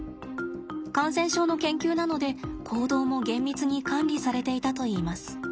感染症の研究なので行動も厳密に管理されていたといいます。